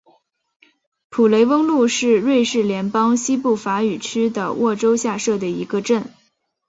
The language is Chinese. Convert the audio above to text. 普雷翁路是瑞士联邦西部法语区的沃州下设的一个镇。